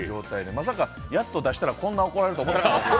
まさかやっと出したらこんな怒られるとは思ってないです。